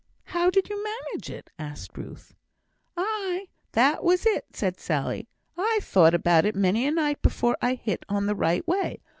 "How did you manage it?" asked Ruth. "Aye, that was it," said Sally; "I thowt about it many a night before I hit on the right way.